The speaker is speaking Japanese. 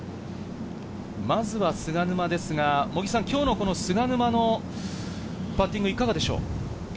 まずは菅沼ですが、今日の菅沼のパッティングはいかがでしょう？